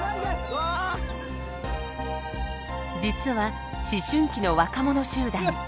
実は思春期の若者集団。